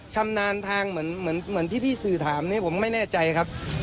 ชำนาญทางเหมือนเหมือนเหมือนพี่พี่สื่อถามนี้ผมไม่แน่ใจครับ